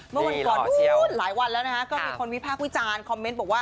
เมื่อวันก่อนนู้นหลายวันแล้วนะฮะก็มีคนวิพากษ์วิจารณ์คอมเมนต์บอกว่า